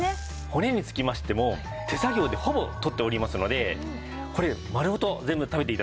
骨につきましても手作業でほぼ取っておりますのでこれ丸ごと全部食べて頂けます。